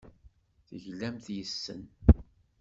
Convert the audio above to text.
Teglamt yes-sen.